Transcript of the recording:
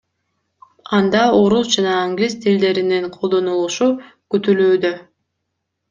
Анда орус жана англис тилдеринин колдонулушу күтүлүүдө.